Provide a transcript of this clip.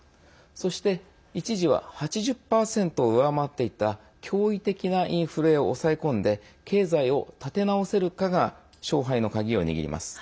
そして、一時は８０％を上回っていた驚異的なインフレを抑え込んで経済を立て直せるかが勝敗の鍵を握ります。